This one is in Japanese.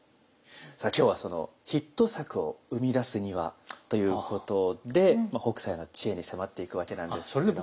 さあ今日はそのヒット作を生み出すにはということで北斎の知恵に迫っていくわけなんですけれども。